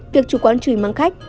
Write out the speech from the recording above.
việc chủ quán chửi mắng khách